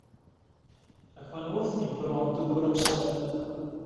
Ac maen nhw wrthi bron drwy'r amser.